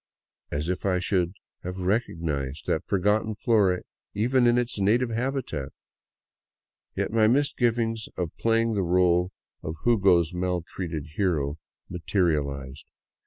As if I should have recognized that forgotten flora, even in its native habitat! Yet my misgivings of playing the role of Hugo's maltreated hero materialized.